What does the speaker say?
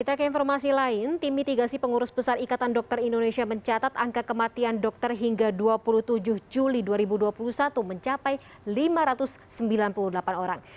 kita ke informasi lain tim mitigasi pengurus besar ikatan dokter indonesia mencatat angka kematian dokter hingga dua puluh tujuh juli dua ribu dua puluh satu mencapai lima ratus sembilan puluh delapan orang